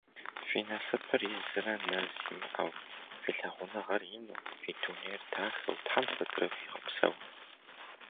Фи насыпыр изрэ нэз имыӏэу, фи лъагъуныгъэр ину, фи дунейр дахэу Тхьэм куэдрэ фигъэпсэу!